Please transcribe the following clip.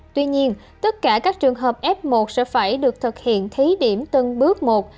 tuy nhiên tất cả các trường hợp f một sẽ phải được thực hiện thí điểm từng bước một